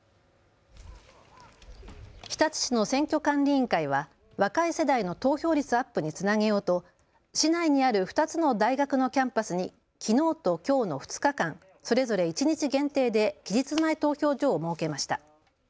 日立市の選挙管理委員会は若い世代の投票率アップにつなげようと市内にある２つの大学のキャンパスにきのうときょうの２日間、それぞれ１日限定で期日前投票所を設けました。